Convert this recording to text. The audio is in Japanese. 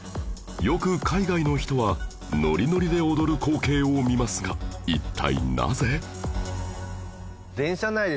よく海外の人はノリノリで踊る光景を見ますが一体なぜ？